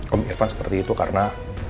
om irfan seperti itu karena